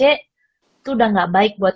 itu udah gak baik buat